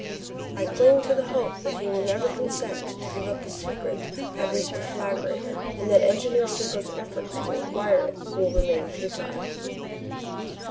I cling to the hope that he will never consent to give up the secret of his deflagrator, and that Engineer Serko's efforts to acquire it will remain futile.